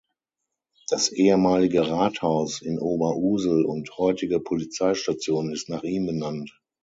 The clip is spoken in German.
Das ehemalige Rathaus in Oberursel und heutige Polizeistation ist nach ihm benannt.